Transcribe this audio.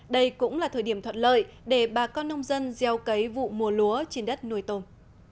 đây cũng là thời điểm thuận lợi để bà con nông dân gieo cấy vụ mùa lúa trên đất nuôi tôm